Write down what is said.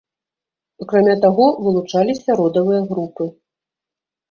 Акрамя таго, вылучаліся родавыя групы.